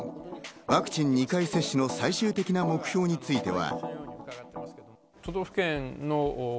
ワクチン２回接種の最終的な目標については。